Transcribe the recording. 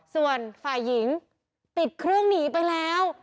ส่วนฝ่ายหญิงปิดเครื่องหนีไปแล้ว